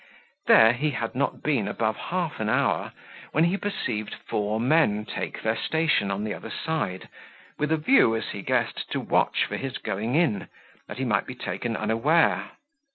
There he had not been above half an hour, when he perceived four men take their station on the other side, with a view, as he guessed, to watch for his going in, that he might be taken unaware.